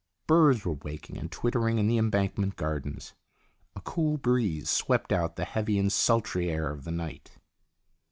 Birds were waking and twittering in the Embankment Gardens. A cool breeze swept out the heavy and sultry air of the night.